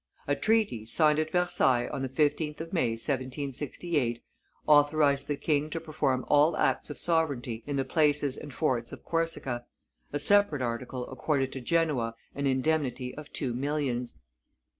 A treaty, signed at Versailles on the 15th of May, 1768, authorized the king to perform all acts of sovereignty in the places and forts of Corsica; a separate article accorded to Genoa an indemnity of two millions.